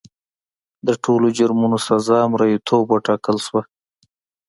د ټولو جرمونو جزا مریتوب وټاکل شوه.